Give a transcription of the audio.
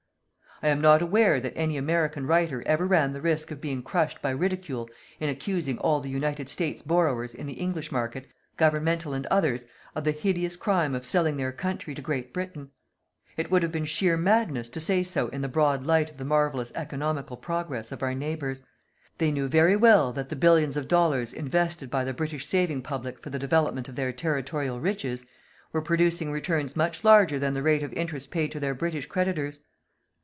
I am not aware that any American writer ever ran the risk of being crushed by ridicule in accusing all the United States borrowers in the English market, governmental and others, of the hideous crime of selling their country to Great Britain. It would have been sheer madness to say so in the broad light of the marvellous economical progress of our neighbours. They knew very well that the billions of dollars invested by the British saving public for the development of their territorial riches, were producing returns much larger than the rate of interest paid to their British creditors.